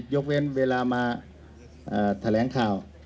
ยกเว้นเวลามาแถลงข่าว